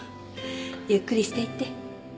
ゆっくりしていって。